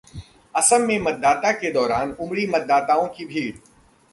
असम में मतदान के दौरान उमड़ी मतदाताओं की भीड़